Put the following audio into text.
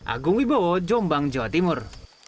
agung wibowo jombang jawa timur